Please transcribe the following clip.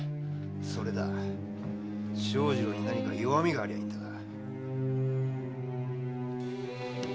それだ長次郎に何か弱みがありゃいいんだが。